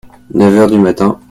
Neuf heures du matin.